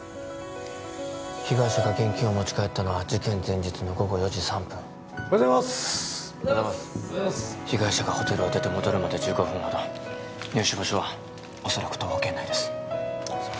被害者が現金を持ち帰ったのは事件前日の午後４時３分おはようございますおはようございます被害者がホテルを出て戻るまで１５分ほど入手場所はおそらく徒歩圏内ですすいません